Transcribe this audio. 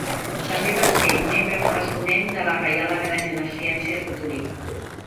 També va ser membre corresponent de la Reial Acadèmia de Ciències de Torí.